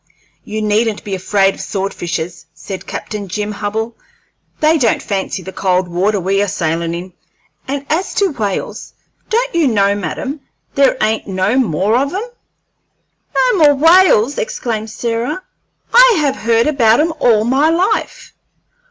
"You needn't be afraid of sword fishes," said Captain Jim Hubbell. "They don't fancy the cold water we are sailin' in; and as to whales, don't you know, madam, there ain't no more of 'em?" "No more whales!" exclaimed Sarah. "I have heard about 'em all my life!"